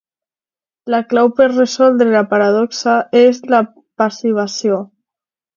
La clau per resoldre la paradoxa és la passivació.